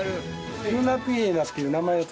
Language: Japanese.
ルナピエナっていう名前。